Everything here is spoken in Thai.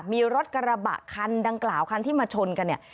มีรถกระบะคันดังกล่าวคันที่มาชนกันเนี่ย